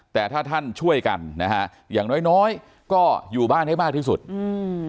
แต่ถ้าท่านช่วยกันนะฮะอย่างน้อยน้อยก็อยู่บ้านให้มากที่สุดอืม